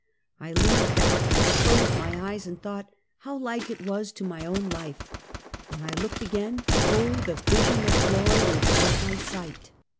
I leaned back, closed my eyes and thought how like it was to mjown life. "When I looked again, oh, the vision of glory which met my sight!